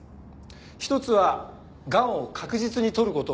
１つはがんを確実に取る事を。